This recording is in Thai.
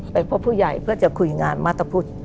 พบผู้ใหญ่เพื่อจะคุยงานมาตรพุทธ